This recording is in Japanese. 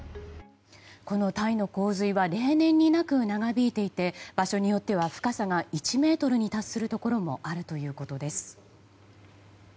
このタイの洪水は例年になく長引いていて場所によっては深さが１ｍに達するところもあるということです。